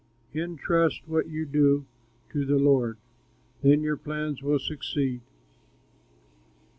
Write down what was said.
Intrust what you do to the Lord, Then your plans will succeed.